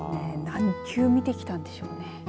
何球見てきたんでしょうね。